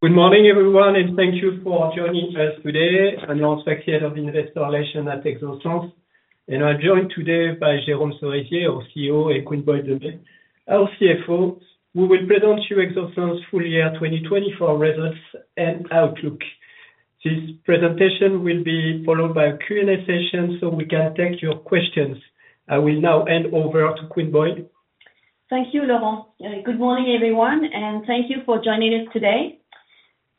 Good morning, everyone, and thank you for joining us today. I'm Laurent Sfaxi, Investor Relations at Exosens, and I'm joined today by Jérôme Cerisier, our CEO, and Quynh-Boi Demey, our CFO, who will present to you Exosens full year 2024 results and outlook. This presentation will be followed by a Q&A session, so we can take your questions. I will now hand over to Quynh-Boi. Thank you, Laurent. Good morning, everyone, and thank you for joining us today.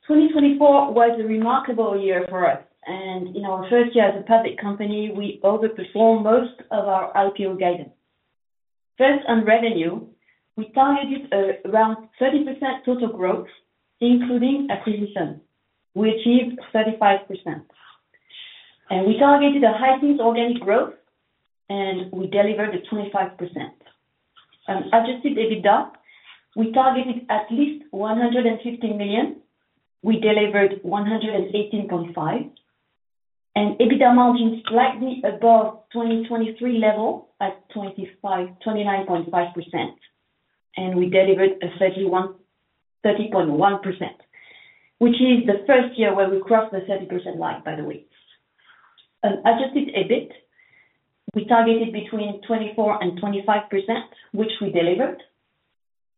2024 was a remarkable year for us, and in our first year as a public company, we overperformed most of our IPO guidance. First, on revenue, we targeted around 30% total growth, including acquisitions. We achieved 35%, and we targeted a high-paced organic growth, and we delivered 25%. On adjusted EBITDA, we targeted at least 150 million. We delivered 118.5 million. And EBITDA margin slightly above 2023 level at 29.5%, and we delivered a 30.1%, which is the first year where we crossed the 30% line, by the way. On adjusted EBIT, we targeted between 24% and 25%, which we delivered,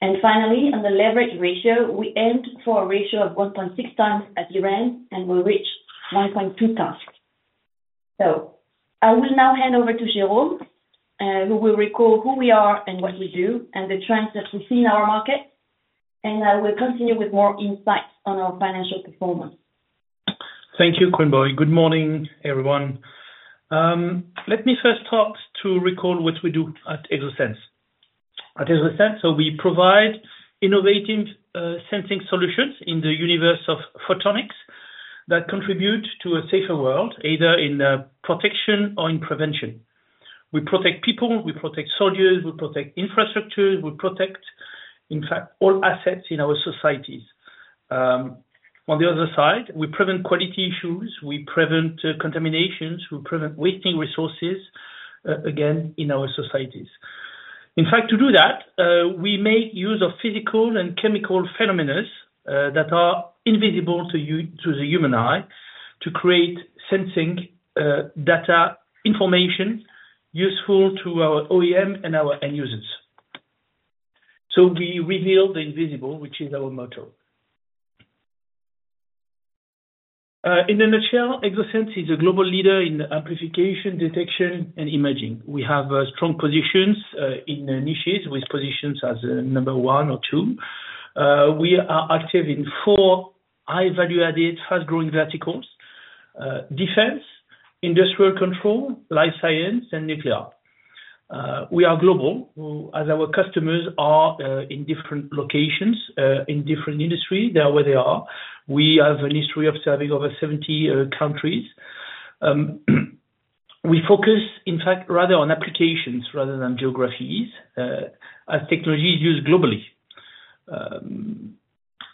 and finally, on the leverage ratio, we aimed for a ratio of 1.6 times at year-end, and we reached 1.2 times. I will now hand over to Jérôme, who will recall who we are and what we do, and the trends that we see in our market. I will continue with more insights on our financial performance. Thank you, Quynh-Boi. Good morning, everyone. Let me first start to recall what we do at Exosens. At Exosens, we provide innovative sensing solutions in the universe of photonics that contribute to a safer world, either in protection or in prevention. We protect people, we protect soldiers, we protect infrastructures, we protect, in fact, all assets in our societies. On the other side, we prevent quality issues, we prevent contaminations, we prevent wasting resources, again, in our societies. In fact, to do that, we make use of physical and chemical phenomena that are invisible to the human eye to create sensing data, information useful to our OEM and our end users. So we reveal the invisible, which is our motto. In a nutshell, Exosens is a global leader in amplification, detection, and imaging. We have strong positions in niches with positions as number one or two. We are active in four high-value-added, fast-growing verticals: defense, industrial control, life science, and nuclear. We are global, as our customers are in different locations, in different industries; they are where they are. We have a history of serving over 70 countries. We focus, in fact, rather on applications rather than geographies, as technology is used globally.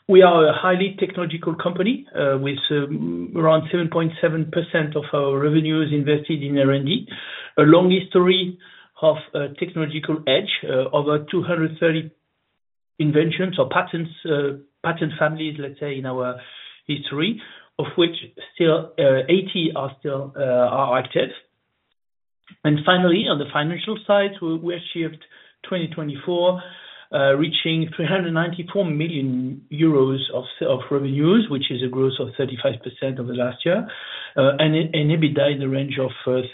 We are a highly technological company with around 7.7% of our revenues invested in R&D, a long history of technological edge, over 230 inventions or patent families, let's say, in our history, of which still 80 are active. And finally, on the financial side, we achieved in 2024, reaching 394 million euros of revenues, which is a growth of 35% over the last year, and EBITDA in the range of 30%.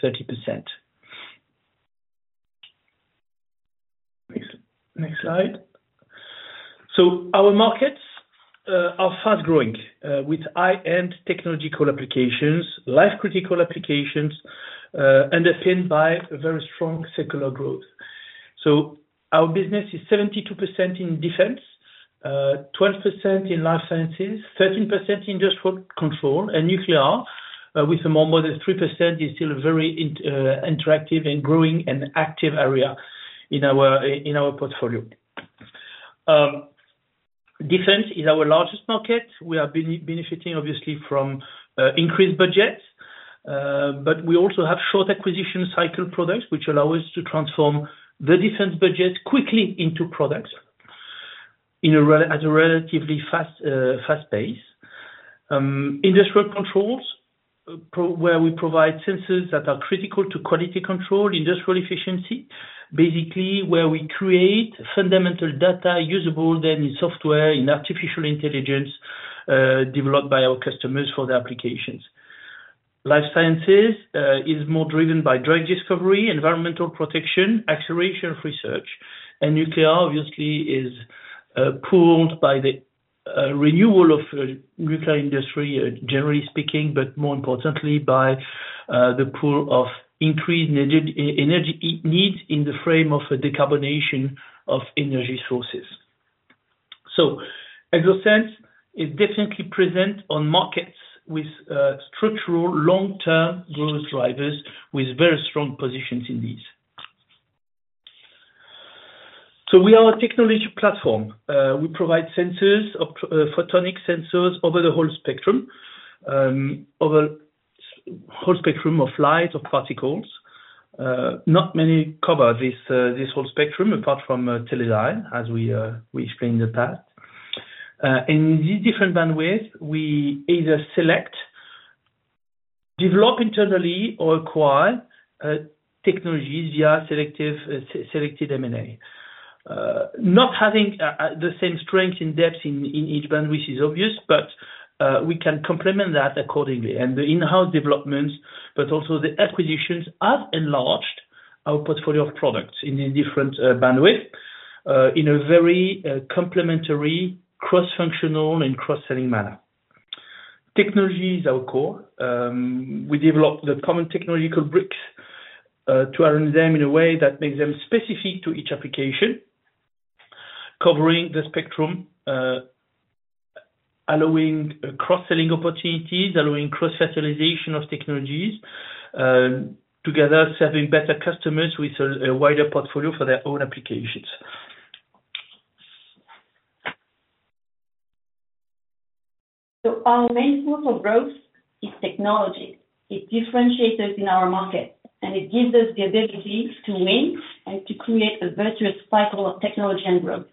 Next slide. So our markets are fast-growing with high-end technological applications, life-critical applications, underpinned by very strong circular growth. Our business is 72% in defense, 12% in life sciences, 13% in industrial control, and nuclear, with more than 3% still a very interactive and growing and active area in our portfolio. Defense is our largest market. We are benefiting, obviously, from increased budgets, but we also have short acquisition cycle products, which allow us to transform the defense budgets quickly into products at a relatively fast pace. Industrial controls, where we provide sensors that are critical to quality control, industrial efficiency, basically where we create fundamental data usable then in software, in artificial intelligence developed by our customers for the applications. Life sciences is more driven by drug discovery, environmental protection, acceleration of research. And nuclear, obviously, is pulled by the renewal of the nuclear industry, generally speaking, but more importantly, by the pull of increased energy needs in the frame of decarbonation of energy sources. Exosens is definitely present on markets with structural long-term growth drivers, with very strong positions in these. We are a technology platform. We provide sensors, photonic sensors over the whole spectrum, over the whole spectrum of light, of particles. Not many cover this whole spectrum, apart from Teledyne, as we explained in the past. In these different bandwidths, we either select, develop internally, or acquire technologies via selected M&A. Not having the same strengths in depth in each bandwidth is obvious, but we can complement that accordingly. The in-house developments, but also the acquisitions, have enlarged our portfolio of products in different bandwidths in a very complementary, cross-functional, and cross-selling manner. Technology is our core. We develop the common technological bricks to arrange them in a way that makes them specific to each application, covering the spectrum, allowing cross-selling opportunities, allowing cross-fertilization of technologies, together serving better customers with a wider portfolio for their own applications. Our main source of growth is technology. It differentiates us in our market, and it gives us the ability to win and to create a virtuous cycle of technology and growth.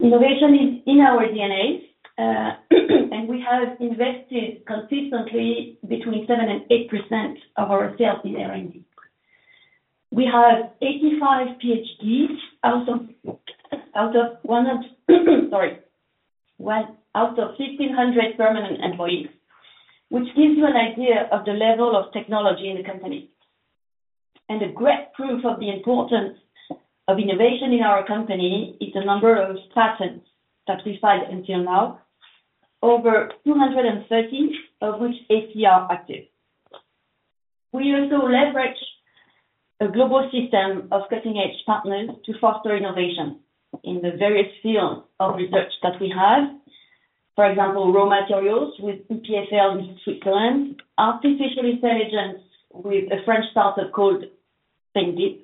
Innovation is in our DNA, and we have invested consistently between 7% and 8% of our sales in R&D. We have 85 PhDs out of 100, sorry, well, out of 1,500 permanent employees, which gives you an idea of the level of technology in the company. And a great proof of the importance of innovation in our company is the number of patents that we've filed until now, over 230 of which 80 are active. We also leverage a global system of cutting-edge partners to foster innovation in the various fields of research that we have. For example, raw materials with EPFL in Switzerland, artificial intelligence with a French startup called Spendit,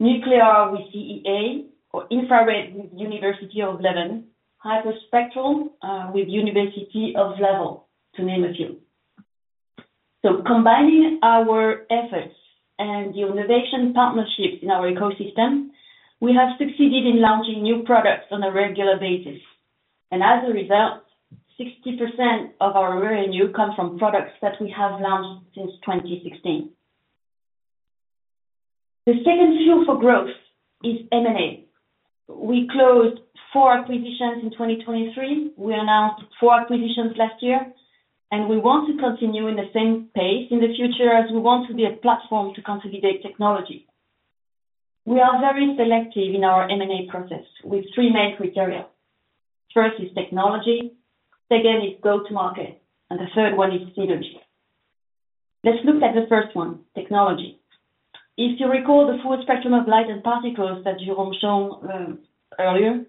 nuclear with CEA or infrared with University of Leuven, hyperspectral with University of Laval, to name a few. So combining our efforts and the innovation partnerships in our ecosystem, we have succeeded in launching new products on a regular basis. And as a result, 60% of our revenue comes from products that we have launched since 2016. The second fuel for growth is M&A. We closed four acquisitions in 2023. We announced four acquisitions last year, and we want to continue in the same pace in the future as we want to be a platform to consolidate technology. We are very selective in our M&A process with three main criteria. First is technology. Second is go-to-market. And the third one is synergy. Let's look at the first one, technology. If you recall the full spectrum of light and particles that Jérôme showed earlier,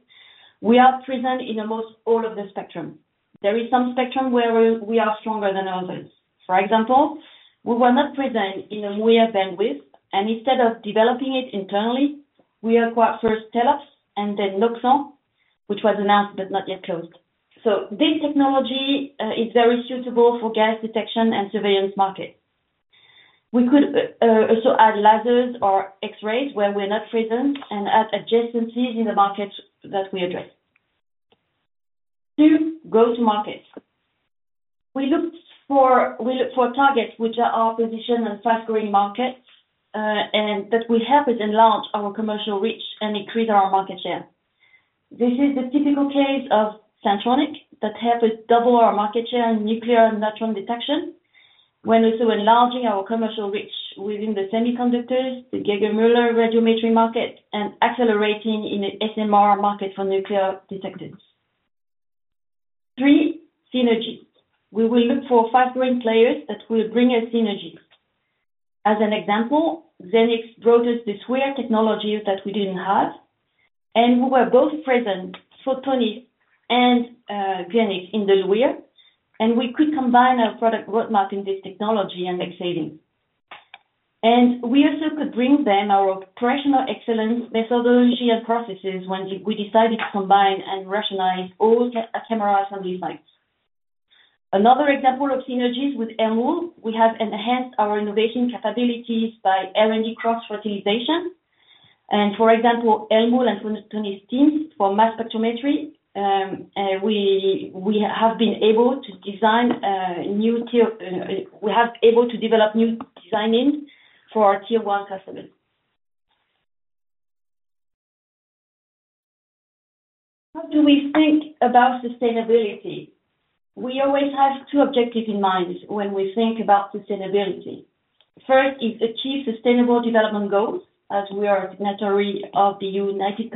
we are present in almost all of the spectrum. There is some spectrum where we are stronger than others. For example, we were not present in a MWIR bandwidth, and instead of developing it internally, we acquired first Telops and then Xenics, which was announced but not yet closed. So this technology is very suitable for gas detection and surveillance markets. We could also add lasers or X-rays where we're not present and add adjacencies in the markets that we address. Two, go-to-market. We look for targets which are our position on fast-growing markets and that will help us enlarge our commercial reach and increase our market share. This is the typical case of Centronic that helped us double our market share in nuclear and neutron detection, while also enlarging our commercial reach within the semiconductors, the Geiger-Müller radiometry market, and accelerating in the SMR market for nuclear detectors. Three, synergy. We will look for fast-growing players that will bring us synergy. As an example, Xenics brought us this SWIR technology that we didn't have, and we were both present, Photonics and Xenics, in the SWIR, and we could combine our product roadmap in this technology and exciting. We also could bring them our operational excellence methodology and processes when we decided to combine and rationalize all camera assembly sites. Another example of synergies with Elmul, we have enhanced our innovation capabilities by R&D cross-fertilization. For example, Elmul and Photonis teams for mass spectrometry, we have been able to develop new designs for our tier-one customers. How do we think about sustainability? We always have two objectives in mind when we think about sustainability. First is achieve sustainable development goals as we are a signatory of the United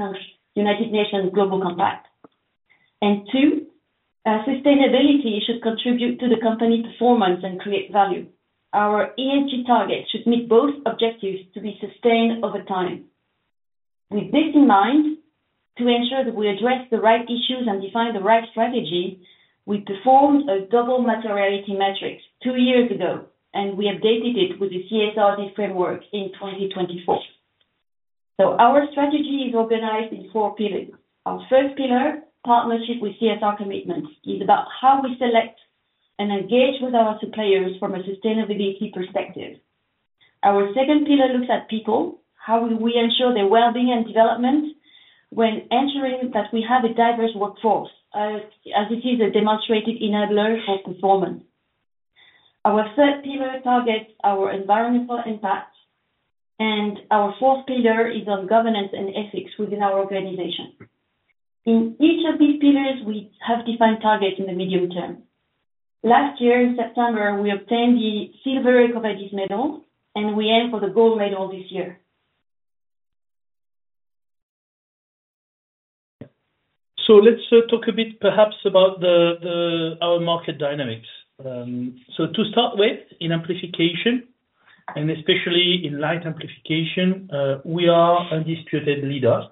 Nations Global Compact. And two, sustainability should contribute to the company performance and create value. Our ESG targets should meet both objectives to be sustained over time. With this in mind, to ensure that we address the right issues and define the right strategy, we performed a double materiality matrix two years ago, and we updated it with the CSRD framework in 2024. Our strategy is organized in four pillars. Our first pillar, partnership with CSR commitments, is about how we select and engage with our suppliers from a sustainability perspective. Our second pillar looks at people, how we ensure their well-being and development when ensuring that we have a diverse workforce, as it is a demonstrated enabler for performance. Our third pillar targets our environmental impact, and our fourth pillar is on governance and ethics within our organization. In each of these pillars, we have defined targets in the medium term. Last year, in September, we obtained the Silver EcoVadis Medal, and we aim for the Gold Medal this year. Let's talk a bit, perhaps, about our market dynamics. To start with, in amplification, and especially in light amplification, we are an undisputed leader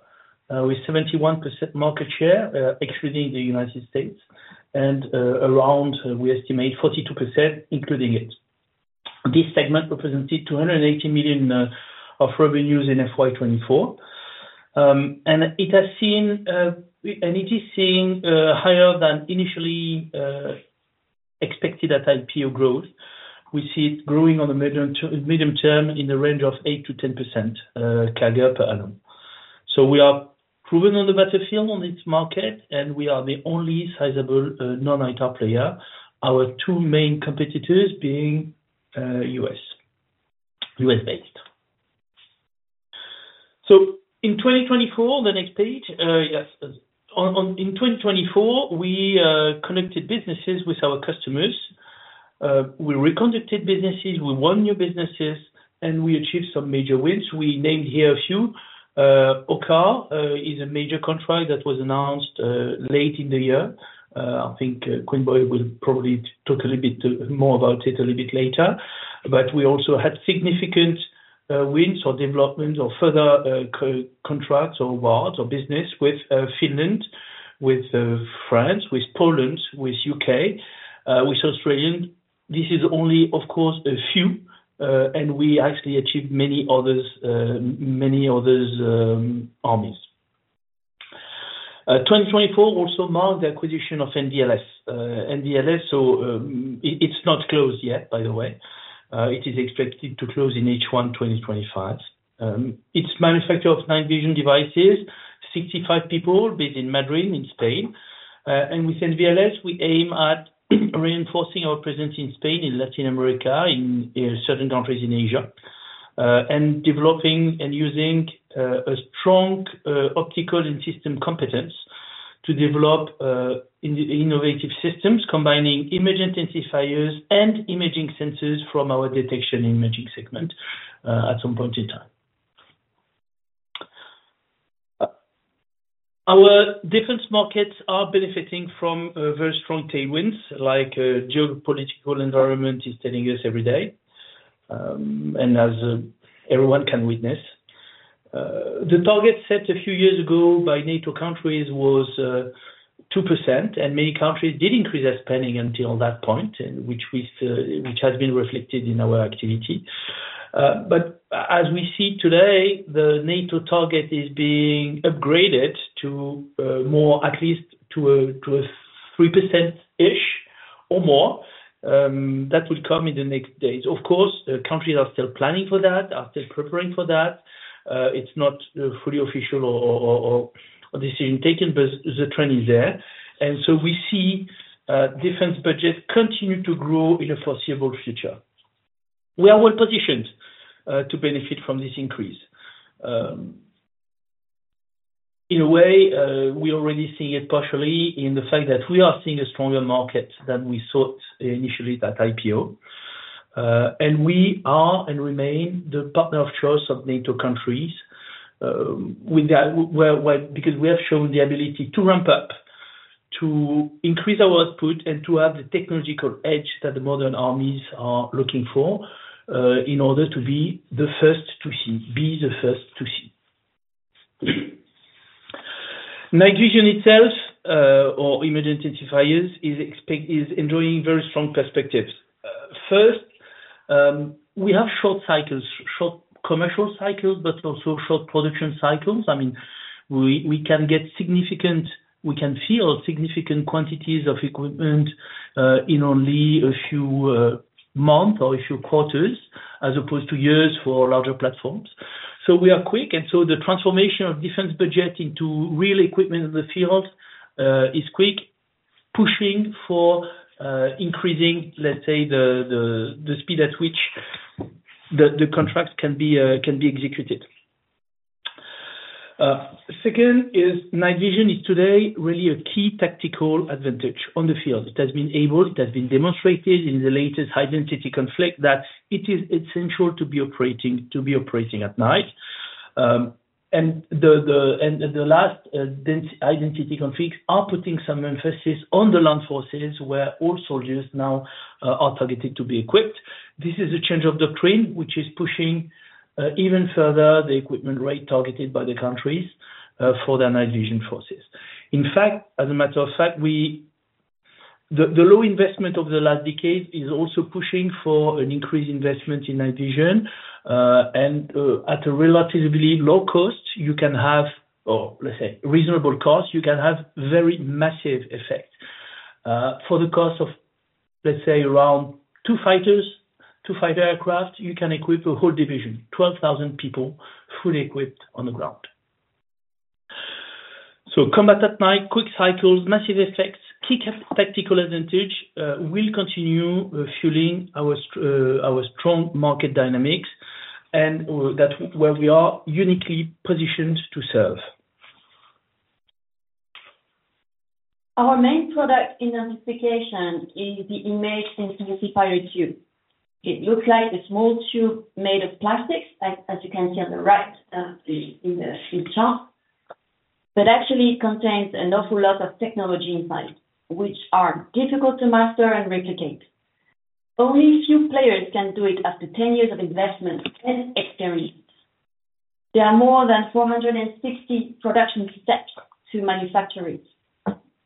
with 71% market share, excluding the United States, and around, we estimate, 42%, including it. This segment represented 280 million of revenues in FY24, and it has seen, and it is seeing higher than initially expected at IPO growth. We see it growing on the medium term in the range of 8% to 10% CAGR per annum. We are proven on the battlefield on this market, and we are the only sizable non-ITAR player, our two main competitors being US-based. In 2024, the next page, yes, in 2024, we conducted business with our customers. We reconducted business, we won new business, and we achieved some major wins. We named here a few. OCCAR is a major contract that was announced late in the year. I think Quynh-Boi will probably talk a little bit more about it a little bit later. But we also had significant wins or developments or further contracts or awards or business with Finland, with France, with Poland, with the UK, with Australia. This is only, of course, a few, and we actually achieved many others, many other armies. 2024 also marked the acquisition of NVLS. NVLS, so it's not closed yet, by the way. It is expected to close in H1 2025. It's a manufacturer of night vision devices, 65 people based in Madrid, in Spain. With NVLS, we aim at reinforcing our presence in Spain, in Latin America, in certain countries in Asia, and developing and using a strong optical and system competence to develop innovative systems combining image intensifiers and imaging sensors from our Detection and Imaging segment at some point in time. Our defense markets are benefiting from very strong tailwinds, like a geopolitical environment is telling us every day, and as everyone can witness. The target set a few years ago by NATO countries was 2%, and many countries did increase their spending until that point, which has been reflected in our activity. But as we see today, the NATO target is being upgraded to more, at least to a 3%-ish or more. That will come in the next days. Of course, countries are still planning for that, are still preparing for that. It's not fully official or decision taken, but the trend is there, and so we see defense budgets continue to grow in a foreseeable future. We are well positioned to benefit from this increase. In a way, we already see it partially in the fact that we are seeing a stronger market than we thought initially at IPO, and we are and remain the partner of choice of NATO countries because we have shown the ability to ramp up, to increase our output, and to have the technological edge that the modern armies are looking for in order to be the first to see, be the first to see. Night vision itself, or image intensifiers, is enjoying very strong perspectives. First, we have short cycles, short commercial cycles, but also short production cycles. I mean, we can field significant quantities of equipment in only a few months or a few quarters, as opposed to years for larger platforms. So we are quick, and so the transformation of defense budget into real equipment in the field is quick, pushing for increasing, let's say, the speed at which the contracts can be executed. Second, night vision is today really a key tactical advantage on the field. It has been demonstrated in the latest high-intensity conflict that it is essential to be operating at night. The latest high-intensity conflicts are putting some emphasis on the land forces where all soldiers now are targeted to be equipped. This is a change of doctrine which is pushing even further the equipment rate targeted by the countries for the night vision forces. In fact, as a matter of fact, the low investment of the last decade is also pushing for an increased investment in night vision. And at a relatively low cost, you can have, or let's say, reasonable cost, you can have very massive effect. For the cost of, let's say, around two fighters, two fighter aircraft, you can equip a whole division, 12,000 people fully equipped on the ground. So combat at night, quick cycles, massive effects, key tactical advantage will continue fueling our strong market dynamics and where we are uniquely positioned to serve. Our main product in amplification is the image intensifier tube. It looks like a small tube made of plastics, as you can see on the right in the picture, but actually, it contains an awful lot of technology inside, which are difficult to master and replicate. Only a few players can do it after 10 years of investment and experience. There are more than 460 production steps to manufacture it,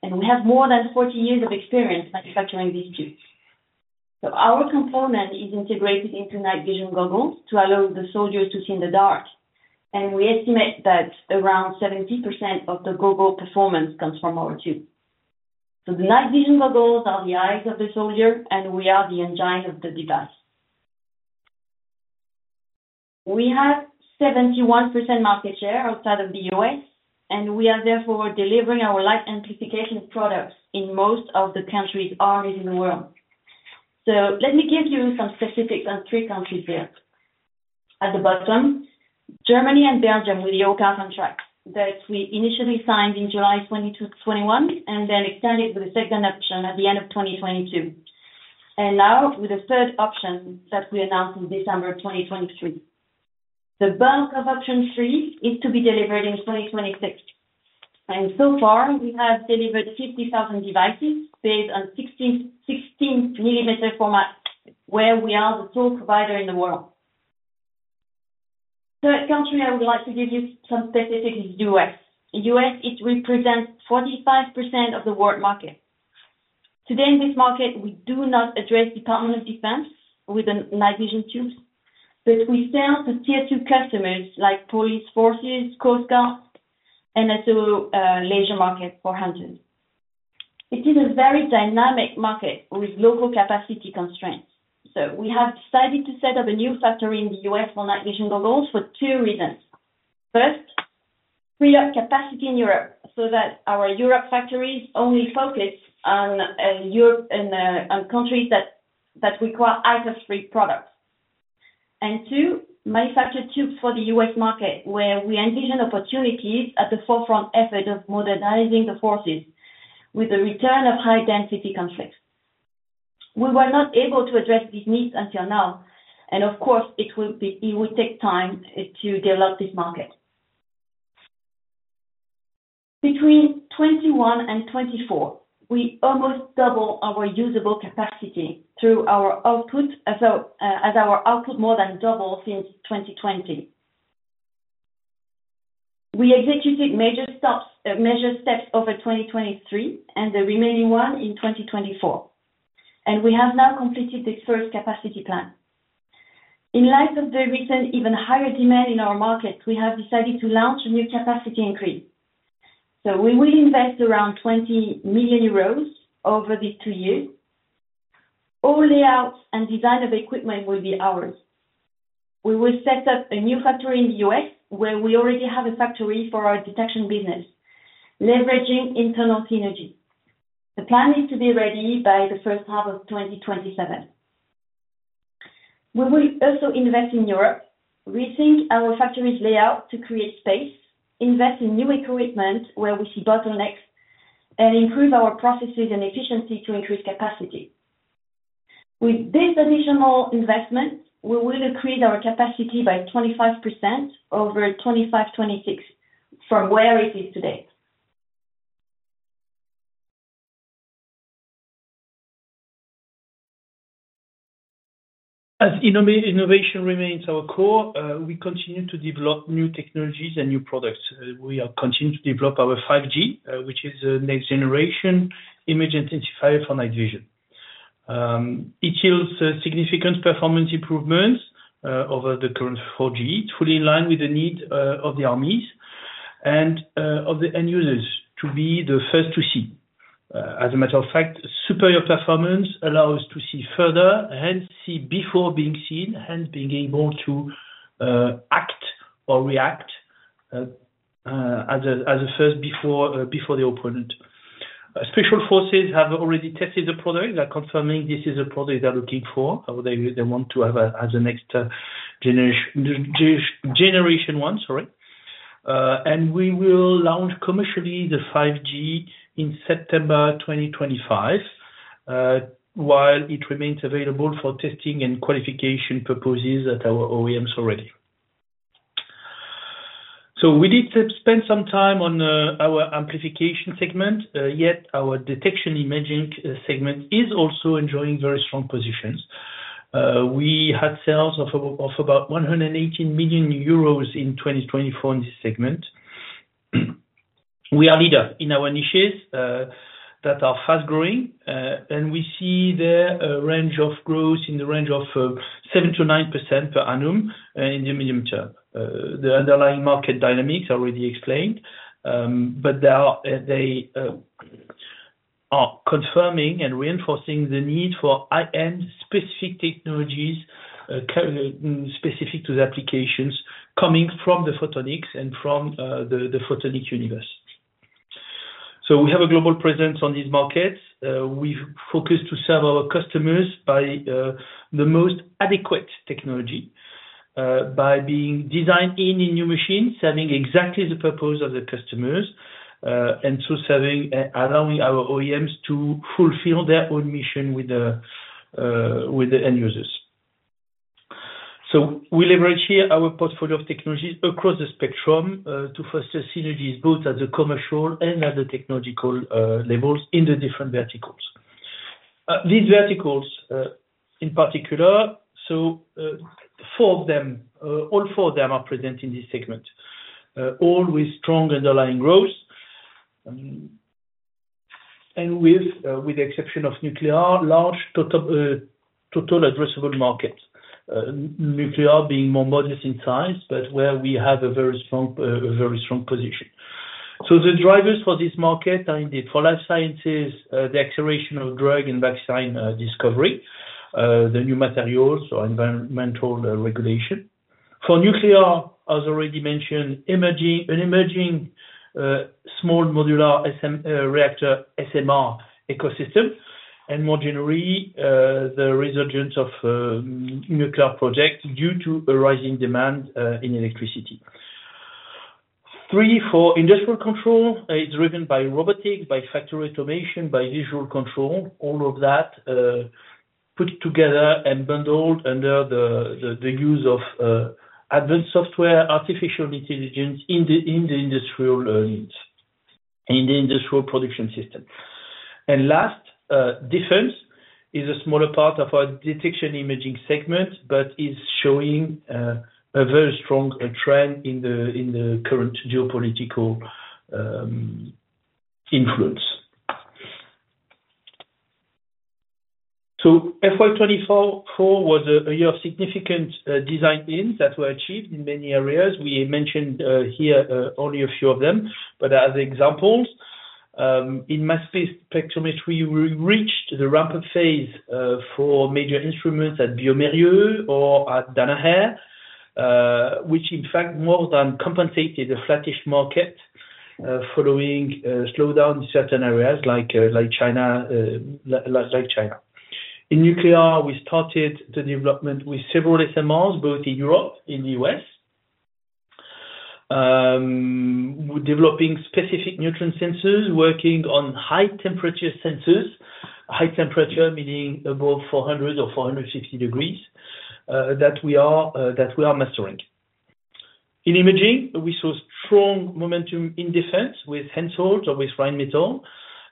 and we have more than 40 years of experience manufacturing these tubes, so our component is integrated into night vision goggles to allow the soldiers to see in the dark, and we estimate that around 70% of the goggle performance comes from our tube, so the night vision goggles are the eyes of the soldier, and we are the engine of the device. We have 71% market share outside of the US, and we are therefore delivering our light amplification products in most of the countries' armies in the world. So let me give you some specifics on three countries here. At the bottom, Germany and Belgium with the OCCAR contract that we initially signed in July 2021 and then extended with a second option at the end of 2022, and now with a third option that we announced in December 2023. The bulk of option three is to be delivered in 2026, and so far, we have delivered 50,000 devices based on 16-millimeter format, where we are the sole provider in the world. Third country I would like to give you some specifics is the US. In the US, it represents 45% of the world market. Today, in this market, we do not address the Department of Defense with the night vision tubes, but we sell to tier-two customers like police forces, Coast Guard, and also the leisure market for hunters. It is a very dynamic market with local capacity constraints, so we have decided to set up a new factory in the US for night vision goggles for two reasons. First, free up capacity in Europe so that our European factories only focus on countries that require ITAR-free products, and two, manufacture tubes for the US market, where we envision opportunities at the forefront effort of modernizing the forces with the return of high-density conflicts. We were not able to address these needs until now, and of course, it will take time to develop this market. Between 2021 and 2024, we almost doubled our usable capacity through our output, as our output more than doubled since 2020. We executed major steps over 2023 and the remaining one in 2024, and we have now completed the first capacity plan. In light of the recent even higher demand in our market, we have decided to launch a new capacity increase, so we will invest around 20 million euros over these two years. All layouts and design of equipment will be ours. We will set up a new factory in the US, where we already have a factory for our detection business, leveraging internal synergy. The plan is to be ready by the first half of 2027. We will also invest in Europe, rethink our factory's layout to create space, invest in new equipment where we see bottlenecks, and improve our processes and efficiency to increase capacity. With this additional investment, we will increase our capacity by 25% over 2025-2026 from where it is today. As innovation remains our core, we continue to develop new technologies and new products. We continue to develop our 5G, which is the next generation image intensifier for night vision. It yields significant performance improvements over the current 4G. It's fully in line with the need of the armies and of the end users to be the first to see. As a matter of fact, superior performance allows us to see further, hence see before being seen, hence being able to act or react as a first before the opponent. Special forces have already tested the product. They're confirming this is a product they're looking for, or they want to have as a next generation one, sorry. And we will launch commercially the 5G in September 2025, while it remains available for testing and qualification purposes at our OEMs already. So we did spend some time on our amplification segment, yet our detection imaging segment is also enjoying very strong positions. We had sales of about 118 million euros in 2024 in this segment. We are leader in our niches that are fast growing, and we see there a range of growth in the range of 7% to 9% per annum in the medium term. The underlying market dynamics are already explained, but they are confirming and reinforcing the need for high-end specific technologies specific to the applications coming from the photonics and from the photonic universe. So we have a global presence on these markets. We focus to serve our customers by the most adequate technology, by being designed in new machines, serving exactly the purpose of the customers, and so allowing our OEMs to fulfill their own mission with the end users. We leverage here our portfolio of technologies across the spectrum to foster synergies both at the commercial and at the technological levels in the different verticals. These verticals, in particular, so all four of them are present in this segment, all with strong underlying growth, and with the exception of nuclear, large total addressable markets, nuclear being more modest in size, but where we have a very strong position. The drivers for this market are indeed for life sciences, the acceleration of drug and vaccine discovery, the new materials or environmental regulation. For nuclear, as already mentioned, an emerging small modular reactor SMR ecosystem, and more generally, the resurgence of nuclear projects due to a rising demand in electricity. Three, four, industrial control is driven by robotics, by factory automation, by visual control, all of that put together and bundled under the use of advanced software, artificial intelligence in the industrial needs, in the industrial production system. And last, defense is a smaller part of our detection imaging segment, but is showing a very strong trend in the current geopolitical influence. So FY24 was a year of significant design wins that were achieved in many areas. We mentioned here only a few of them, but as examples, in mass spectrometry, we reached the ramp-up phase for major instruments at bioMérieux or at Danaher, which in fact more than compensated a flattish market following a slowdown in certain areas like China. In nuclear, we started the development with several SMRs, both in Europe and in the U.S., developing specific neutron sensors, working on high-temperature sensors, high-temperature meaning above 400 or 450 degrees that we are mastering. In imaging, we saw strong momentum in defense with handhelds or with fine metal,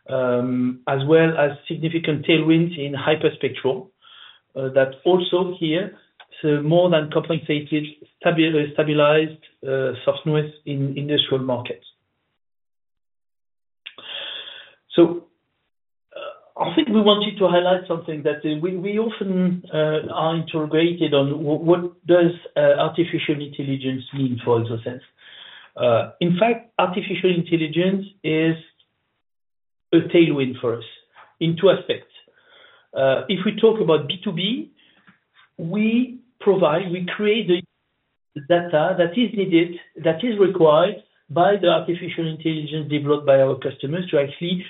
as well as significant tailwinds in hyperspectral that also here more than compensated, stabilized softness in industrial markets. So I think we wanted to highlight something that we often are interrogated on what does artificial intelligence mean for Exosens. In fact, artificial intelligence is a tailwind for us in two aspects. If we talk about B2B, we create the data that is needed, that is required by the artificial intelligence developed by our customers to actually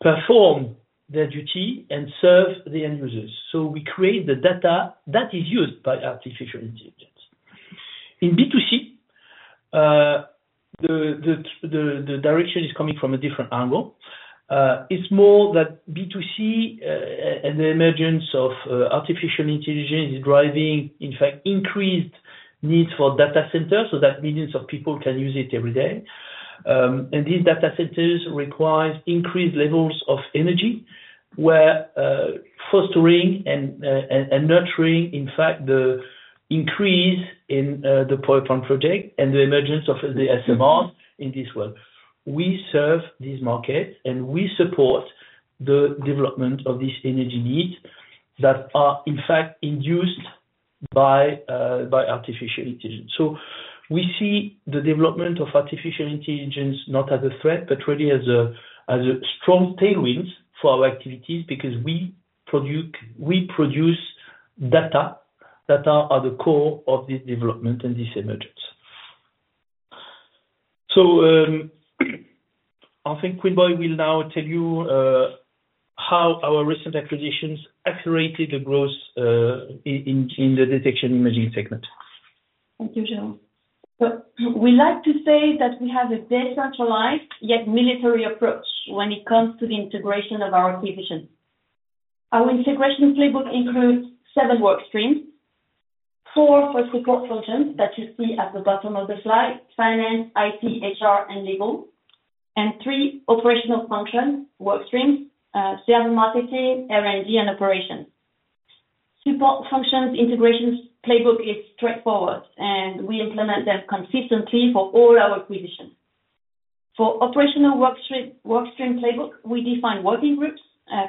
perform their duty and serve the end users. So we create the data that is used by artificial intelligence. In B2C, the direction is coming from a different angle. It's more that B2C and the emergence of artificial intelligence is driving, in fact, increased needs for data centers so that millions of people can use it every day, and these data centers require increased levels of energy, where fostering and nurturing, in fact, the increase in the power plant project and the emergence of the SMRs in this world. We serve these markets, and we support the development of these energy needs that are, in fact, induced by artificial intelligence, so we see the development of artificial intelligence not as a threat, but really as a strong tailwind for our activities because we produce data that are at the core of this development and this emergence, so I think Quynh-Boi will now tell you how our recent acquisitions accelerated the growth in the Detection and Imaging segment. Thank you, Jérôme. We like to say that we have a decentralized yet military approach when it comes to the integration of our acquisitions. Our integration playbook includes seven work streams, four for support functions that you see at the bottom of the slide: finance, IT, HR, and legal, and three operational function work streams: sales and marketing, R&D, and operations. Support functions integration playbook is straightforward, and we implement them consistently for all our acquisitions. For operational work stream playbook, we define working groups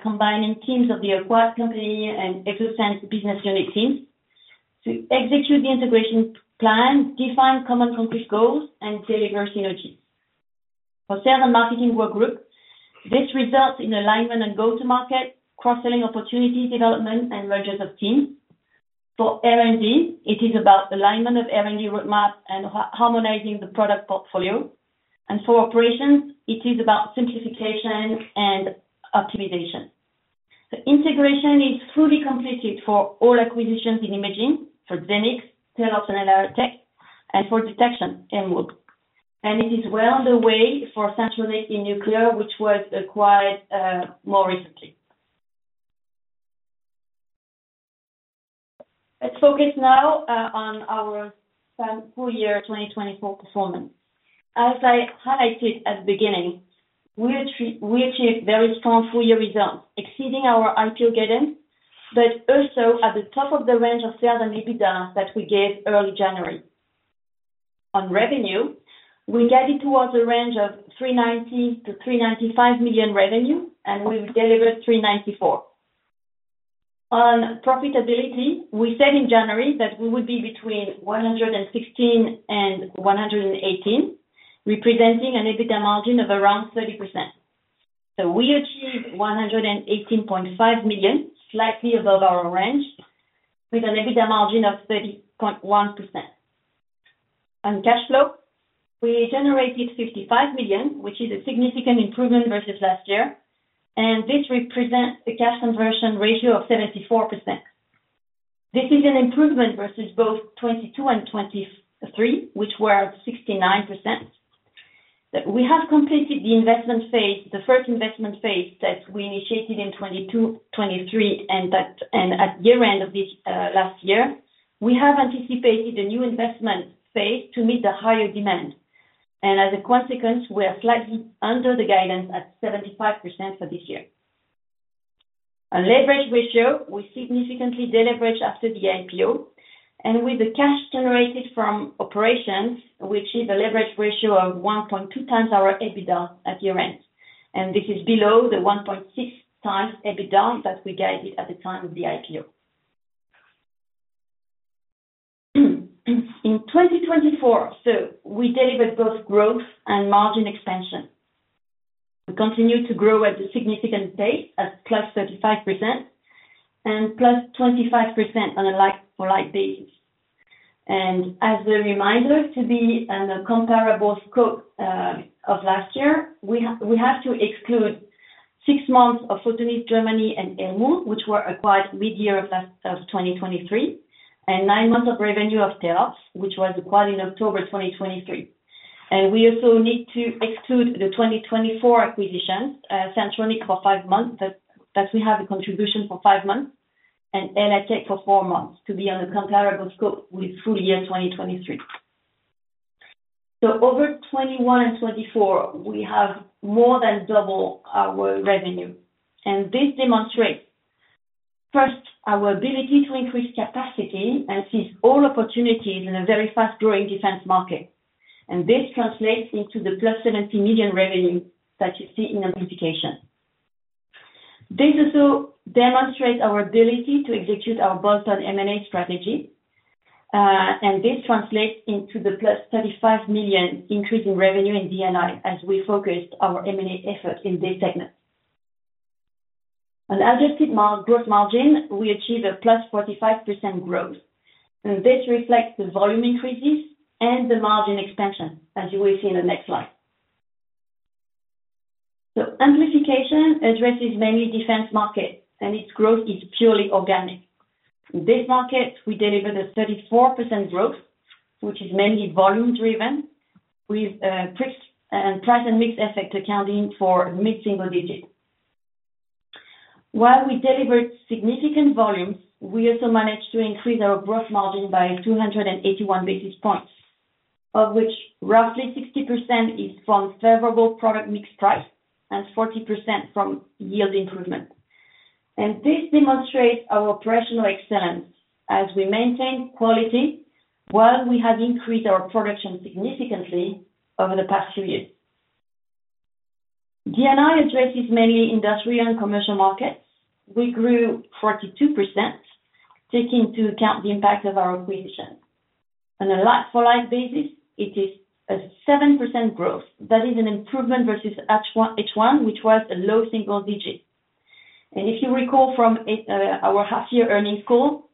combining teams of the acquired company and existing business unit teams to execute the integration plan, define common concrete goals, and deliver synergies. For sales and marketing work group, this results in alignment and go-to-market, cross-selling opportunity development, and mergers of teams. For R&D, it is about alignment of R&D roadmap and harmonizing the product portfolio, and for operations, it is about simplification and optimization. The integration is fully completed for all acquisitions in imaging for Xenics, Telops, and LR Tech, and for detection and Elmul, and it is well on the way for Centronic in nuclear, which was acquired more recently. Let's focus now on our full year 2024 performance. As I highlighted at the beginning, we achieved very strong full year results, exceeding our IPO guidance, but also at the top of the range of sales and EBITDA that we gave early January. On revenue, we guided towards a range of 390 to 395 million revenue, and we delivered 394 million. On profitability, we said in January that we would be between 116 and 118 million, representing an EBITDA margin of around 30%. So we achieved 118.5 million, with an EBITDA margin of 30.1%. On cash flow, we generated 55 million, which is a significant improvement versus last year, and this represents a cash conversion ratio of 74%. This is an improvement versus both 2022 and 2023, which were 69%. We have completed the investment phase, the first investment phase that we initiated in 2022, 2023, and at year-end of last year. We have anticipated a new investment phase to meet the higher demand. And as a consequence, we are slightly under the guidance at 75% for this year. On leverage ratio, we significantly deleveraged after the IPO, and with the cash generated from operations, we achieved a leverage ratio of 1.2 times our EBITDA at year-end. And this is below the 1.6 times EBITDA that we guided at the time of the IPO. In 2024, so we delivered both growth and margin expansion. We continue to grow at a significant pace at +35% and +25% on a like-for-like basis. And as a reminder to be on the comparable scope of last year, we have to exclude six months of Photonics Germany and Elmul, which were acquired mid-year of 2023, and nine months of revenue of Telops, which was acquired in October 2023. And we also need to exclude the 2024 acquisitions, Centronic for five months, that we have a contribution for five months, and LR Tech for four months to be on the comparable scope with full year 2023. So over 2021 and 2024, we have more than doubled our revenue. And this demonstrates, first, our ability to increase capacity and seize all opportunities in a very fast-growing defense market. And this translates into the +70 million revenue that you see in Amplification. This also demonstrates our ability to execute our bolt-on M&A strategy. And this translates into the plus 35 million increase in revenue in D&I as we focused our M&A effort in this segment. On adjusted gross margin, we achieved a plus 45% growth. And this reflects the volume increases and the margin expansion, as you will see in the next slide. So Amplification addresses mainly defense markets, and its growth is purely organic. In this market, we delivered a 34% growth, which is mainly volume-driven, with price and mixed effect accounting for mid-single digits. While we delivered significant volumes, we also managed to increase our gross margin by 281 basis points, of which roughly 60% is from favorable product mix price and 40% from yield improvement. And this demonstrates our operational excellence as we maintain quality while we have increased our production significantly over the past few years. D&I addresses mainly industrial and commercial markets. We grew 42%, taking into account the impact of our acquisitions. On a like-for-like basis, it is a 7% growth. That is an improvement versus H1, which was a low single digit. If you recall from our half-year earnings call,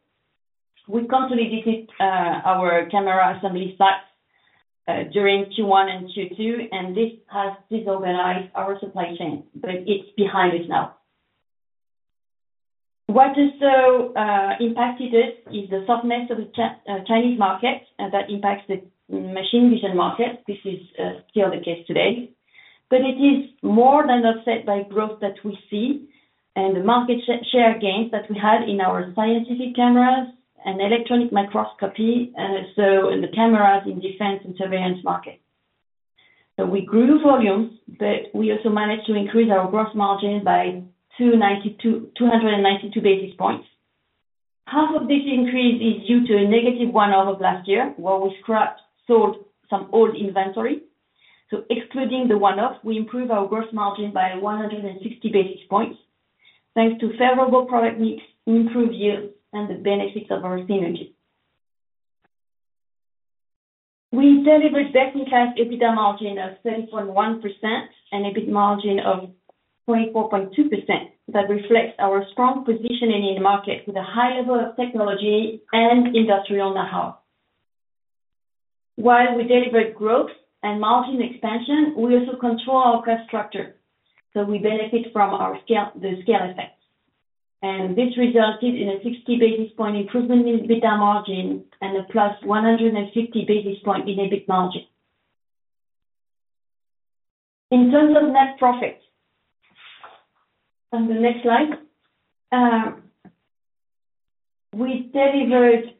we completed our camera assembly sites during Q1 and Q2, and this has disorganized our supply chain, but it's behind us now. What also impacted us is the softness of the Chinese market that impacts the machine vision market. This is still the case today. It is more than offset by growth that we see and the market share gains that we had in our scientific cameras and electron microscopy, so in the cameras in defense and surveillance markets. We grew volumes, but we also managed to increase our gross margin by 292 basis points. Half of this increase is due to a negative one-off of last year where we scrapped some old inventory. So excluding the one-off, we improved our gross margin by 160 basis points thanks to favorable product mix, improved yields, and the benefits of our synergy. We delivered best-in-class EBITDA margin of 30.1% and EBITDA margin of 24.2% that reflects our strong positioning in the market with a high level of technology and industrial know-how. While we delivered growth and margin expansion, we also control our cost structure. So we benefit from the scale effect. And this resulted in a 60 basis point improvement in EBITDA margin and a plus 150 basis point in EBITDA margin. In terms of net profit, on the next slide, we delivered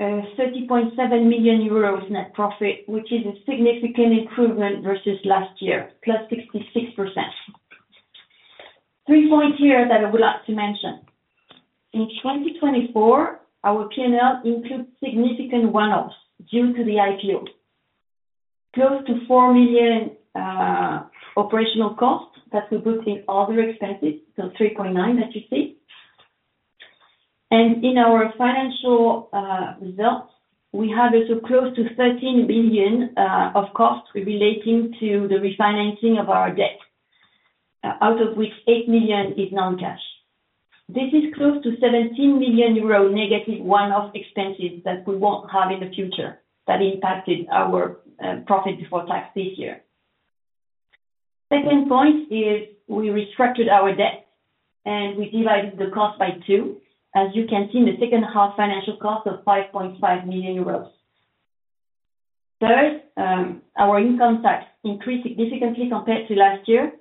30.7 million euros net profit, which is a significant improvement versus last year, plus 66%. Three points here that I would like to mention. In 2024, our P&L includes significant one-offs due to the IPO, close to four million operational costs that we put in other expenses, so 3.9 that you see, and in our financial results, we have also close to 13 billion of costs relating to the refinancing of our debt, out of which eight million is non-cash. This is close to 17 million euro negative one-off expenses that we won't have in the future that impacted our profit before tax this year. Second point is we restructured our debt, and we divided the cost by two. As you can see, in the second half, financial cost of 5.5 million euros. Third, our income tax increased significantly compared to last year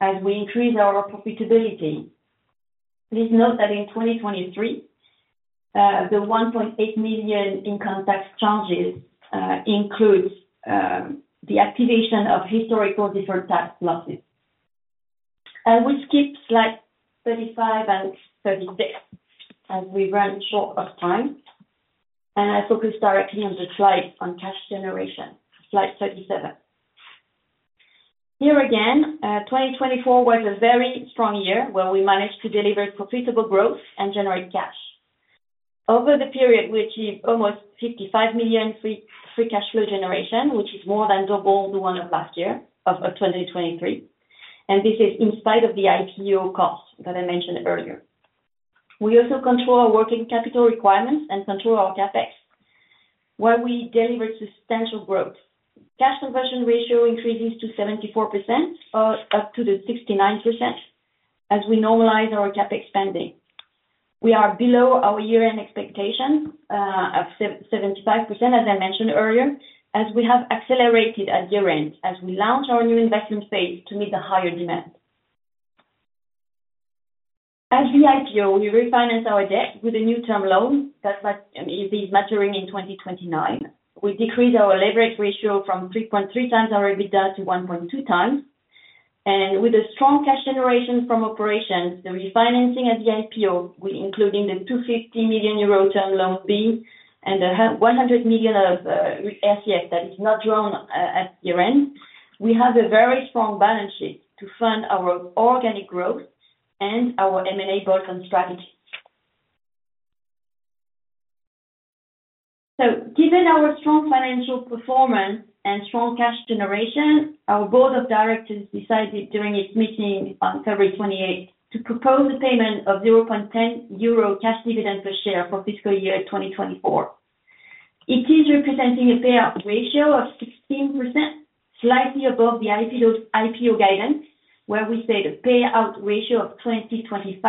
as we increased our profitability. Please note that in 2023, the 1.8 million income tax charges include the activation of historical deferred tax losses. I will skip slides 35 and 36 as we run short of time, and I focus directly on the slides on cash generation, slide 37. Here again, 2024 was a very strong year where we managed to deliver profitable growth and generate cash. Over the period, we achieved almost 55 million free cash flow generation, which is more than double the one of last year, of 2023. And this is in spite of the IPO cost that I mentioned earlier. We also control our working capital requirements and control our CapEx, where we delivered substantial growth. Cash conversion ratio increases to 74% or up to 69% as we normalize our CapEx spending. We are below our year-end expectations of 75%, as I mentioned earlier, as we have accelerated at year-end as we launch our new investment phase to meet the higher demand. As the IPO, we refinance our debt with a new term loan that is maturing in 2029. We decreased our leverage ratio from 3.3 times our EBITDA to 1.2 times. And with a strong cash generation from operations, the refinancing at the IPO, including the 250 million euro term loan B and the 100 million of SEF that is not drawn at year-end, we have a very strong balance sheet to fund our organic growth and our M&A bolt-on strategy. So given our strong financial performance and strong cash generation, our board of directors decided during its meeting on 28 February to propose a payment of 0.10 euro cash dividend per share for fiscal year 2024. It is representing a payout ratio of 16%, slightly above the IPO guidance, where we said a payout ratio of 20.25%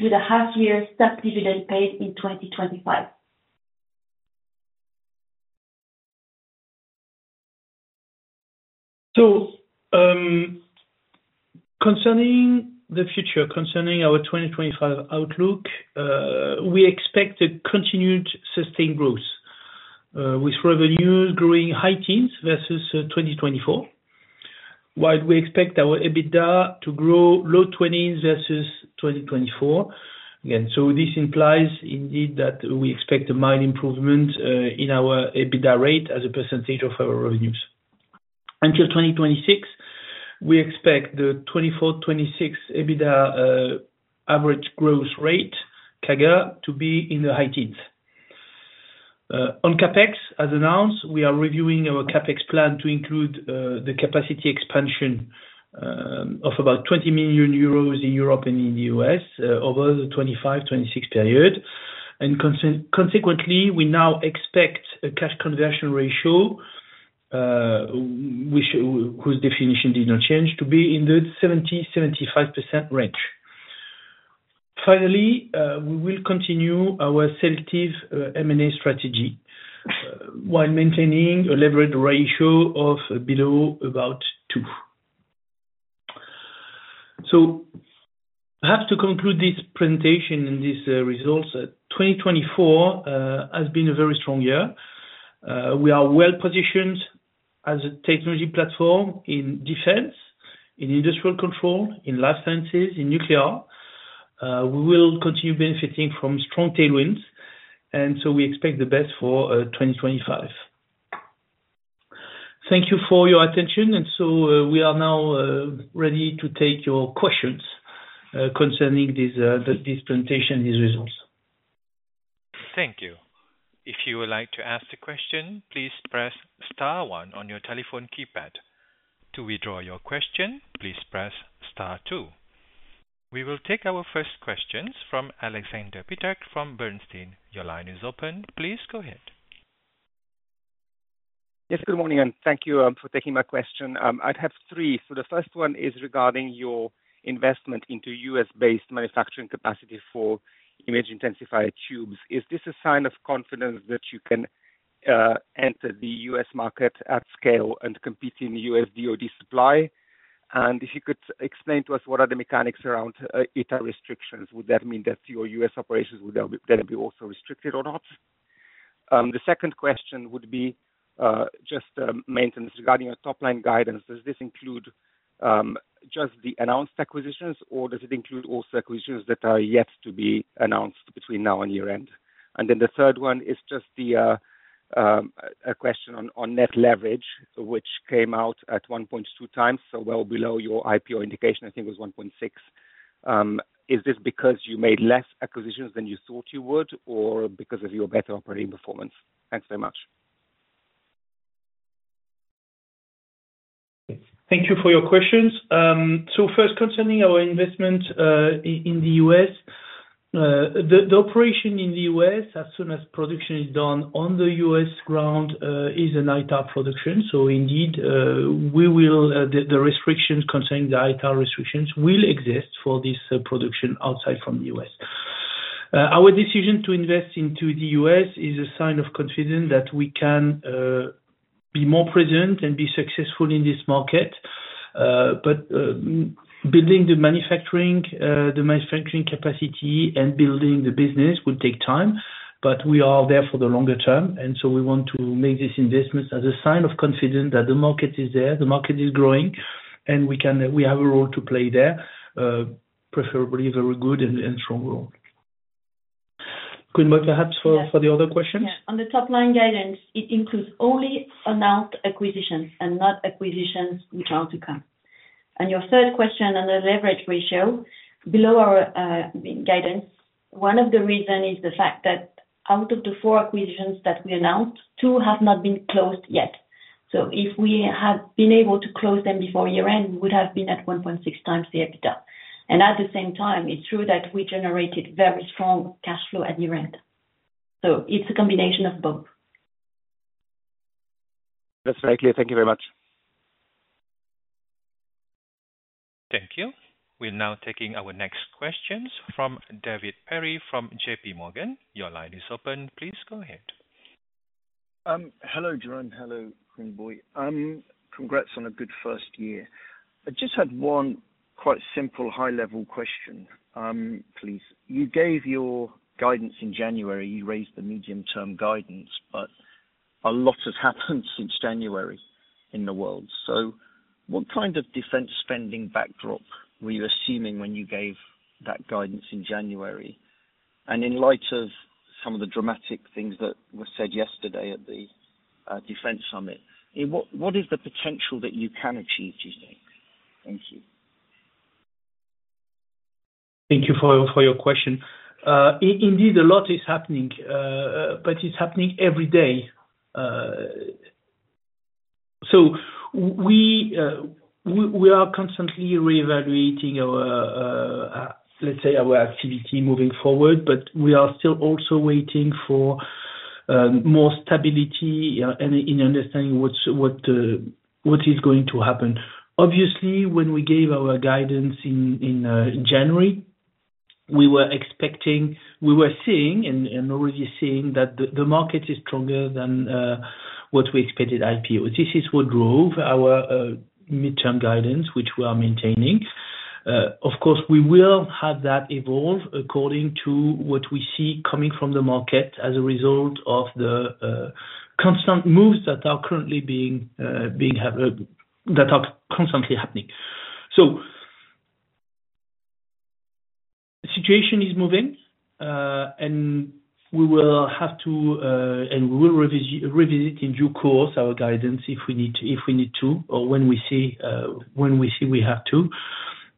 with a half-year stock dividend paid in 2025. Concerning the future, concerning our 2025 outlook, we expect a continued sustained growth with revenues growing high teens versus 2024, while we expect our EBITDA to grow low 20s versus 2024. Again, this implies indeed that we expect a mild improvement in our EBITDA rate as a percentage of our revenues. Until 2026, we expect the 2024-2026 EBITDA average growth rate, CAGR, to be in the high teens. On CapEx, as announced, we are reviewing our CapEx plan to include the capacity expansion of about 20 million euros in Europe and in the US over the 2025-2026 period. And consequently, we now expect a cash conversion ratio, whose definition did not change, to be in the 70%-75% range. Finally, we will continue our selective M&A strategy while maintaining a leverage ratio of below about two. I have to conclude this presentation and these results. 2024 has been a very strong year. We are well positioned as a technology platform in defense, in industrial control, in life sciences, in nuclear. We will continue benefiting from strong tailwinds, and so we expect the best for 2025. Thank you for your attention, and so we are now ready to take your questions concerning this presentation, these results. Thank you. If you would like to ask a question, please press star one on your telephone keypad. To withdraw your question, please press star two. We will take our first questions from Alexander Piterc from Bernstein. Your line is open. Please go ahead. Yes, good morning, and thank you for taking my question. I'd have three. So the first one is regarding your investment into US-based manufacturing capacity for image-intensifier tubes. Is this a sign of confidence that you can enter the US market at scale and compete in US DoD supply? And if you could explain to us what are the mechanics around ITAR restrictions, would that mean that your US operations would then be also restricted or not? The second question would be just maintenance regarding your top-line guidance. Does this include just the announced acquisitions, or does it include also acquisitions that are yet to be announced between now and year-end? And then the third one is just a question on net leverage, which came out at 1.2 times, so well below your IPO indication, I think it was 1.6. Is this because you made less acquisitions than you thought you would, or because of your better operating performance? Thanks very much. Thank you for your questions. So first, concerning our investment in the U.S., the operation in the U.S., as soon as production is done on the US ground, is an ITAR production. So indeed, the restrictions concerning the ITAR restrictions will exist for this production outside from the US. Our decision to invest into the US is a sign of confidence that we can be more present and be successful in this market. But building the manufacturing capacity and building the business would take time, but we are there for the longer term. And so we want to make this investment as a sign of confidence that the market is there, the market is growing, and we have a role to play there, preferably a very good and strong role. Good, but perhaps for the other questions. On the top-line guidance, it includes only announced acquisitions and not acquisitions which are to come. Your third question on the leverage ratio, below our guidance, one of the reasons is the fact that out of the four acquisitions that we announced, two have not been closed yet. So if we had been able to close them before year-end, we would have been at 1.6 times the EBITDA. And at the same time, it's true that we generated very strong cash flow at year-end. So it's a combination of both. That's very clear. Thank you very much. Thank you. We're now taking our next questions from David Perry from JPMorgan. Your line is open. Please go ahead. Hello, Jérôme. Hello, Quynh-Boi. Congrats on a good first year. I just had one quite simple high-level question, please. You gave your guidance in January. You raised the medium-term guidance, but a lot has happened since January in the world. What kind of defense spending backdrop were you assuming when you gave that guidance in January? And in light of some of the dramatic things that were said yesterday at the Defense Summit, what is the potential that you can achieve, do you think? Thank you. Thank you for your question. Indeed, a lot is happening, but it's happening every day. We are constantly re-evaluating, let's say, our activity moving forward, but we are still also waiting for more stability in understanding what is going to happen. Obviously, when we gave our guidance in January, we were seeing and already seeing that the market is stronger than what we expected pre-IPO. This is what drove our mid-term guidance, which we are maintaining. Of course, we will have that evolve according to what we see coming from the market as a result of the constant moves that are currently being constantly happening. So the situation is moving, and we will have to, and we will revisit in due course our guidance if we need to, or when we see we have to,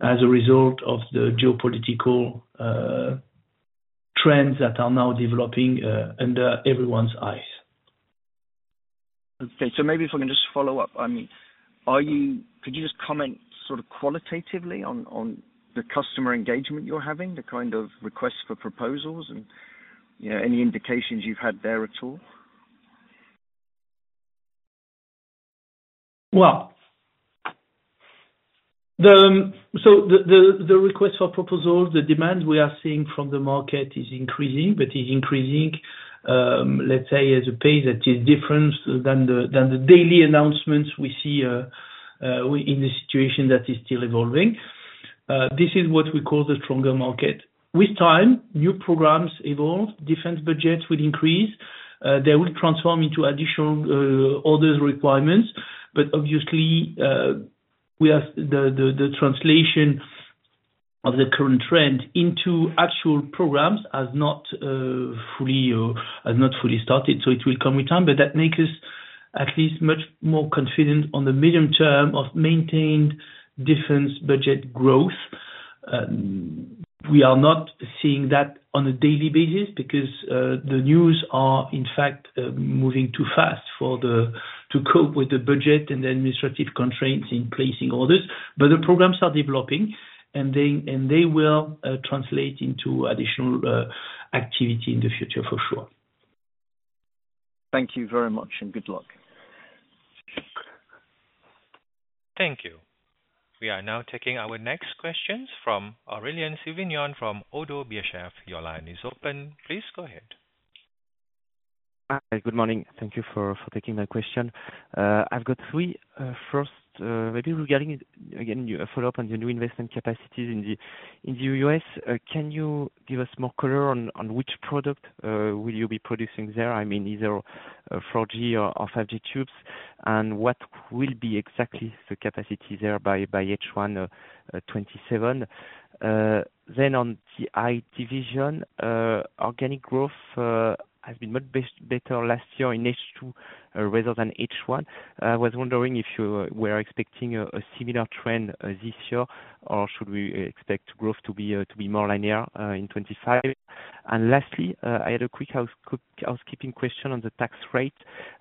as a result of the geopolitical trends that are now developing under everyone's eyes. Okay. So maybe if we can just follow up, I mean, could you just comment sort of qualitatively on the customer engagement you're having, the kind of requests for proposals, and any indications you've had there at all? Well, so the request for proposals, the demand we are seeing from the market is increasing, but it's increasing, let's say, at a pace that is different than the daily announcements we see in the situation that is still evolving. This is what we call the stronger market. With time, new programs evolve. Defense budgets will increase. They will transform into additional orders requirements. But obviously, the translation of the current trend into actual programs has not fully started. So it will come with time. But that makes us at least much more confident on the medium term of maintained defense budget growth. We are not seeing that on a daily basis because the news are, in fact, moving too fast to cope with the budget and the administrative constraints in placing orders. But the programs are developing, and they will translate into additional activity in the future, for sure. Thank you very much, and good luck. Thank you. We are now taking our next questions from Aurélien Sivignon from ODDO BHF. Your line is open. Please go ahead. Hi, good morning. Thank you for taking my question. I've got three first, maybe regarding, again, follow-up on the new investment capacities in the US. Can you give us more color on which product will you be producing there? I mean, either 4G or 5G tubes, and what will be exactly the capacity there by H127? Then on the I division, organic growth has been much better last year in H2 rather than H1. I was wondering if you were expecting a similar trend this year, or should we expect growth to be more linear in 2025? And lastly, I had a quick housekeeping question on the tax rate.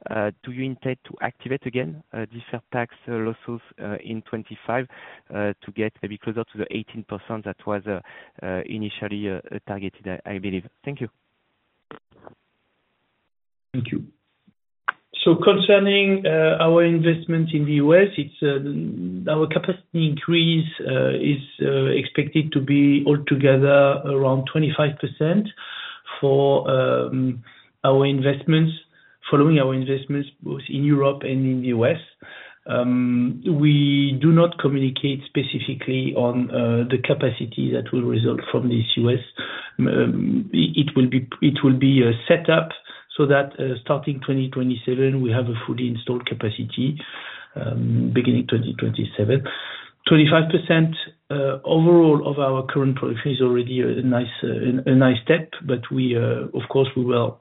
Do you intend to activate again these tax losses in 2025 to get maybe closer to the 18% that was initially targeted, I believe? Thank you. Thank you. So concerning our investment in the US, our capacity increase is expected to be altogether around 25% for our investments, following our investments both in Europe and in the US. We do not communicate specifically on the capacity that will result from this US. It will be set up so that starting 2027, we have a fully installed capacity beginning 2027. 25% overall of our current production is already a nice step, but of course, we will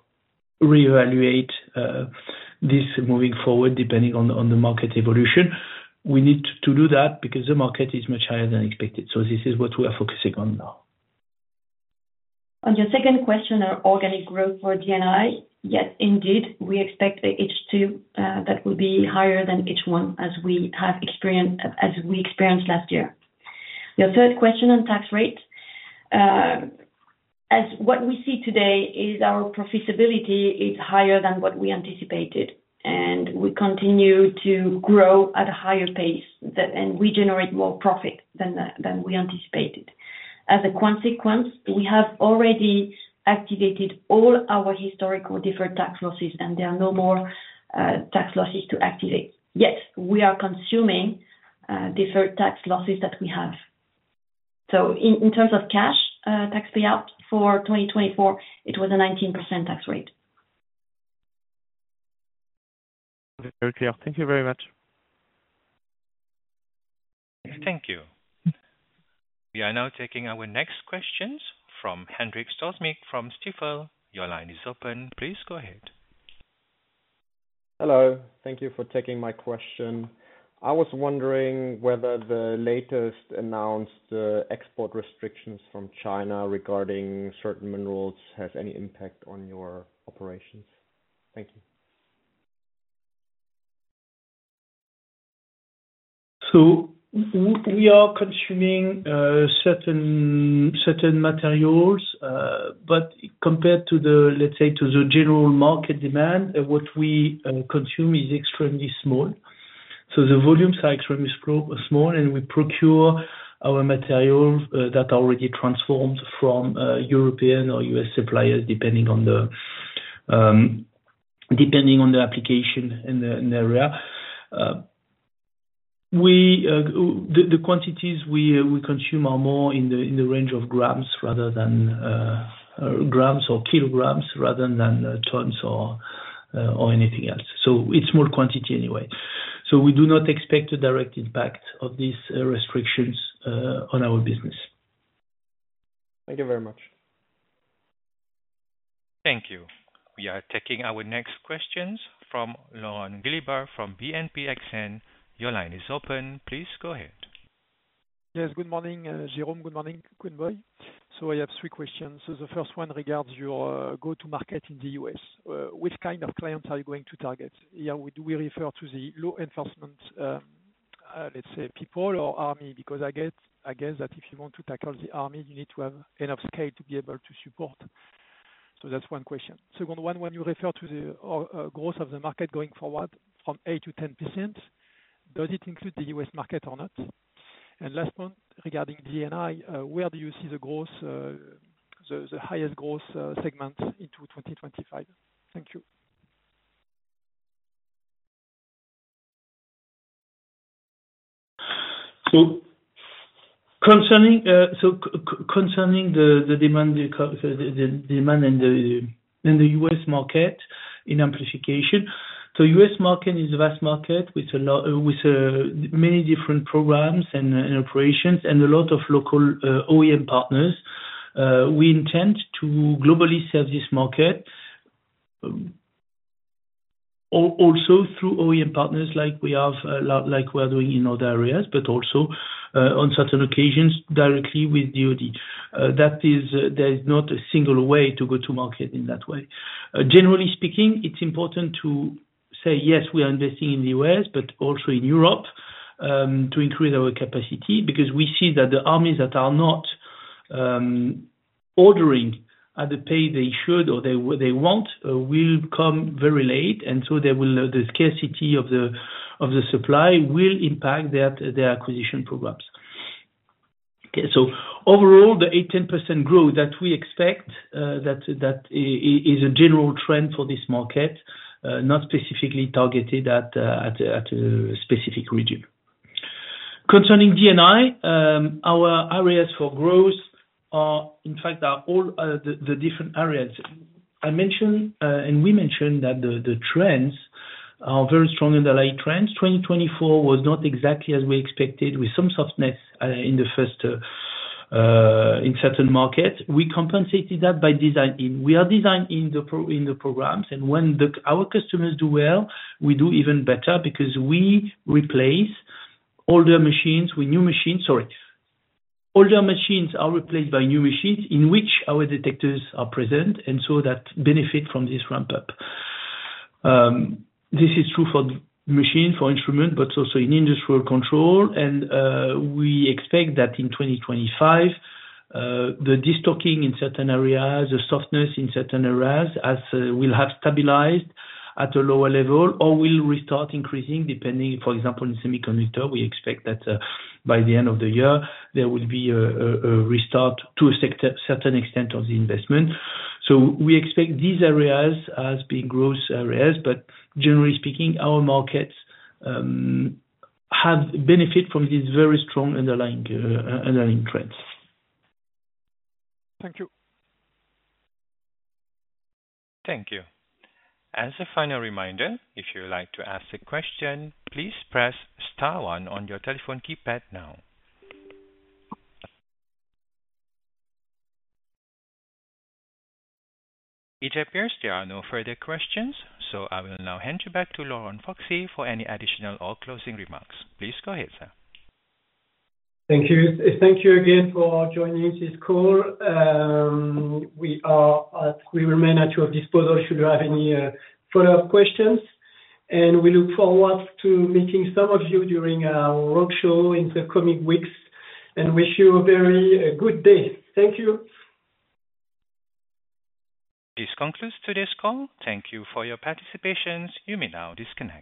re-evaluate this moving forward depending on the market evolution. We need to do that because the market is much higher than expected. So this is what we are focusing on now. On your second question on organic growth for D&I, yes, indeed, we expect the H2 that will be higher than H1 as we experienced last year. Your third question on tax rate, as what we see today is our profitability is higher than what we anticipated, and we continue to grow at a higher pace, and we generate more profit than we anticipated. As a consequence, we have already activated all our historical deferred tax losses, and there are no more tax losses to activate. Yet, we are consuming deferred tax losses that we have. So in terms of cash tax payout for 2024, it was a 19% tax rate. Very clear. Thank you very much. Thank you. We are now taking our next questions from Hendrik Stahlschmidt from Stifel. Your line is open. Please go ahead. Hello. Thank you for taking my question. I was wondering whether the latest announced export restrictions from China regarding certain minerals have any impact on your operations. Thank you. So we are consuming certain materials, but compared to the, let's say, to the general market demand, what we consume is extremely small. So the volumes are extremely small, and we procure our materials that are already transformed from European or US suppliers, depending on the application in the area. The quantities we consume are more in the range of grams or kilograms rather than tons or anything else. So it's more quantity anyway. So we do not expect a direct impact of these restrictions on our business. Thank you very much. Thank you. We are taking our next questions from Laurent Gilliber from BNP Paribas Exane. Your line is open. Please go ahead. Yes, good morning, Jérôme. Good morning, Quynh-Boi. So I have three questions. So the first one regards your go-to-market in the US. Which kind of clients are you going to target? Here we refer to the law enforcement, let's say, people or army? Because I guess that if you want to tackle the army, you need to have enough scale to be able to support. So that's one question. Second one, when you refer to the growth of the market going forward from 8%-10%, does it include the US market or not? And last point regarding D&I, where do you see the highest growth segment in 2025? Thank you. So concerning the demand in the US market in amplification, the US market is a vast market with many different programs and operations and a lot of local OEM partners. We intend to globally serve this market also through OEM partners like we are doing in other areas, but also on certain occasions directly with DOD. There is not a single way to go to market in that way. Generally speaking, it's important to say, yes, we are investing in the US, but also in Europe to increase our capacity because we see that the armies that are not ordering at the pace they should or they want will come very late. And so the scarcity of the supply will impact their acquisition programs. Okay. So overall, the 8-10% growth that we expect is a general trend for this market, not specifically targeted at a specific region. Concerning D&I, our areas for growth are, in fact, all the different areas. I mentioned, and we mentioned that the trends are very strong and aligned trends. 2024 was not exactly as we expected, with some softness in certain markets. We compensated that by design. We are designed into the programs, and when our customers do well, we do even better because we replace older machines with new machines. Sorry. Older machines are replaced by new machines in which our detectors are present, and so we benefit from this ramp-up. This is true for machines, for instruments, but also in industrial control. We expect that in 2025, the disruption in certain areas, the softness in certain areas will have stabilized at a lower level or will restart increasing, depending, for example, in semiconductors, we expect that by the end of the year, there will be a restart to a certain extent of the investment. We expect these areas as being growth areas, but generally speaking, our markets have benefited from these very strong underlying trends. Thank you. Thank you. As a final reminder, if you would like to ask a question, please press star one on your telephone keypad now. It appears there are no further questions, so I will now hand you back to Laurent Sfaxi for any additional or closing remarks. Please go ahead, sir. Thank you. Thank you again for joining this call. We remain at your disposal should you have any follow-up questions, and we look forward to meeting some of you during our workshop in the coming weeks and wish you a very good day. Thank you. This concludes today's call. Thank you for your participation. You may now disconnect.